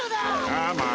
ああ。